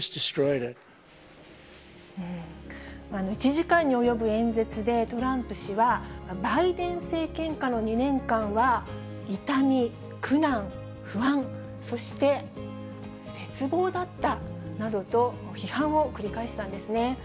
１時間に及ぶ演説で、トランプ氏は、バイデン政権下の２年間は、痛み、苦難、不安、そして絶望だったなどと、批判を繰り返したんですね。